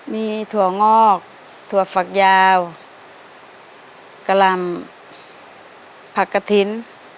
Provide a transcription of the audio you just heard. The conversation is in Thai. มีถั่วงอกถั่วฝักยาวกะลำผักกระถิ่น